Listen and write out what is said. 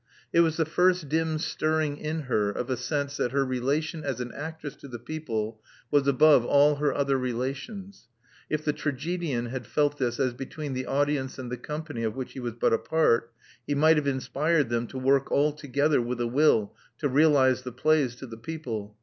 It was the first dim stirring in her of a sense that her relation as an actress to the people was above all her other relations. If the tragedian had felt this as between the audience and the company of which he was but a part, he might have inspired them to work all together with a will to realize the plays to the people.